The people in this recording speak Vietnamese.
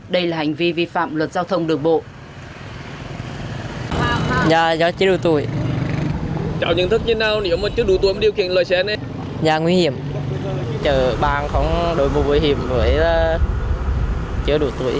đây là hành vi vi phạm luật giao thông đường bộ